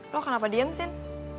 lo kenapa diam sin